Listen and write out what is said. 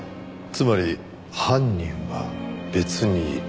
つまり犯人は別にいる。